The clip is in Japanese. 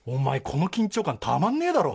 この緊張感たまんねえだろ